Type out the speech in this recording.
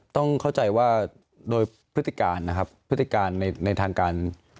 ต้องเข้าใจว่าโดยพฤติการนะครับพฤติการในทางการ